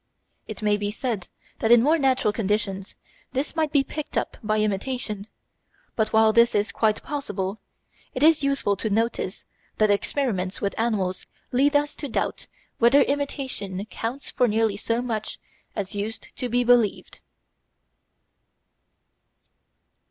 It may be said that in more natural conditions this might be picked up by imitation, but while this is quite possible, it is useful to notice that experiments with animals lead us to doubt whether imitation counts for nearly so much as used to be believed.